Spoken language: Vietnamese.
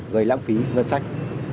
gây lãng phí ngân sách